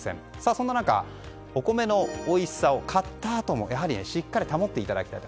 そんな中、お米のおいしさを買ったあともしっかり保っていただきたいと。